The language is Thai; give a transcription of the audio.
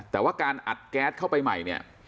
แต่ว่าการอัดแก๊สเข้าไปใหม่เนี่ย